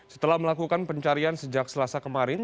setelah melakukan pencarian sejak selasa kemarin